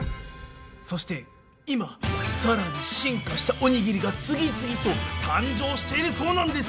そして今さらに進化したおにぎりが次々と誕生しているそうなんです。